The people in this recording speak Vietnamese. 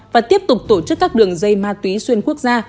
và tiếp tục tổ chức các đường dây ma túy xuyên quốc gia